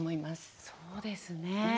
そうですね。